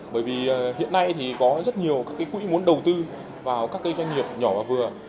bởi vì hiện nay thì có rất nhiều các cái quý muốn đầu tư vào các cái doanh nghiệp nhỏ và vừa